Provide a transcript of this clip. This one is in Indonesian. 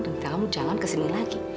dan jangan ke sini lagi